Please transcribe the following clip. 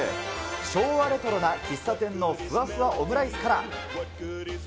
昭和レトロな喫茶店のふわふわオムライスから。